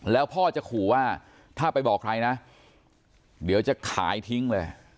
แล้วพ่อจะขู่ว่าถ้าไปบอกใครนะเดี๋ยวจะขายทิ้งเลย